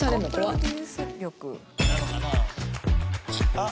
あっ！